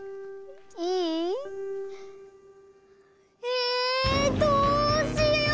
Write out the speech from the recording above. えどうしよう！